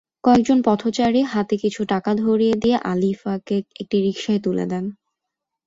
কয়েকজন পথচারী হাতে কিছু টাকা ধরিয়ে দিয়ে আলিফাকে একটি রিকশায় তুলে দেন।